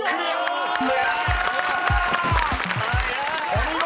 ［お見事！